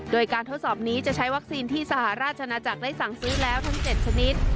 โดยการทดสอบนี้จะใช้วัคซีนที่สหราชนาจักรได้สั่งซื้อแล้วทั้ง๗ชนิด